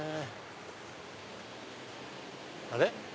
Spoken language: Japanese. あれ？